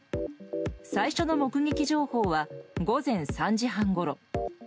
最初の目撃情報は午前３時半ごろ。